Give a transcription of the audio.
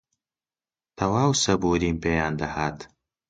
تەواو سەبووریم پێیان دەهات